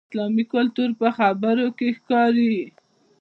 اسلامي کلتور په خبرو کې ښکاري.